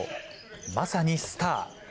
まさにスター。